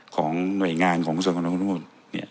ของหน่วยงานของครัฐศรของผู้ทั้งหมดเนี่ย